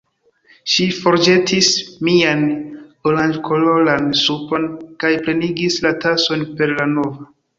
Ŝi forĵetis mian oranĝkoloran supon kaj plenigis la tason per la nova.